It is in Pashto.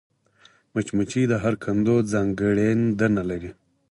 مچمچۍ د هر کندو ځانګړېندنه لري